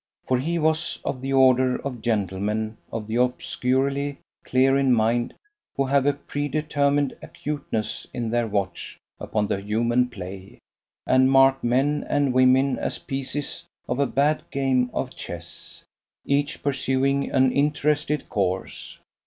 For he was of the order of gentlemen of the obscurely clear in mind who have a predetermined acuteness in their watch upon the human play, and mark men and women as pieces of a bad game of chess, each pursuing an interested course.